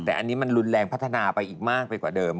แต่อันนี้มันรุนแรงพัฒนาไปอีกมากไปกว่าเดิม